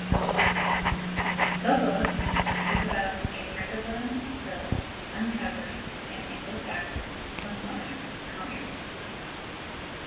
The book is about a francophone ville uncovering an Anglo-Saxon masonic conjure.